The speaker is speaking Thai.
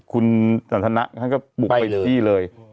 คุณสันทนะท่านก็บุกไปที่เลย